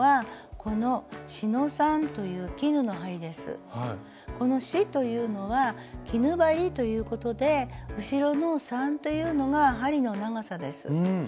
この四というのは絹針ということで後ろの三というのが針の長さです。